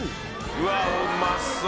うわっうまそう。